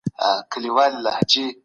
د سرمايې حاصل په تيرو کلونو کي ډير ټيټ و.